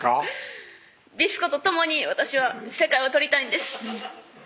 「ビスコ」と共に私は世界を取りたいんです